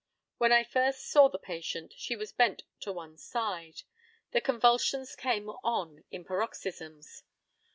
When I first saw the patient she was bent to one side. The convulsions came on in paroxysms.